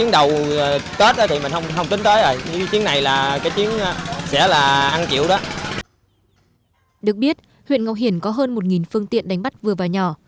được biết huyện ngọc hiển có hơn một phương tiện đánh bắt vừa và nhỏ